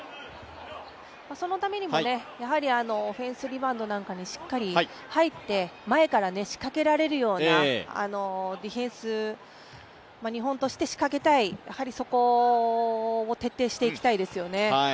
そのためにもオフェンスリバウンドなどにしっかり入って前から仕掛けられるようなディフェンス、日本として仕掛けたい、やはりそこを徹底していきたいですよね。